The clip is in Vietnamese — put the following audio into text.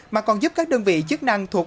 mà còn giúp các đơn vị chức năng thuộc